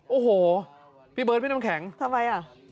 โอ้โหพี่เบิร์ดพี่น้ำแข็งทำไมอ่ะ